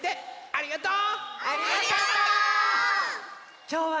ありがとう。